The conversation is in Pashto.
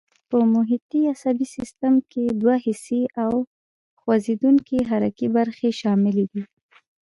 په محیطي عصبي سیستم کې دوې حسي او خوځېدونکي حرکي برخې شاملې دي.